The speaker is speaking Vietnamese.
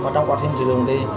trong quá trình sử dụng thì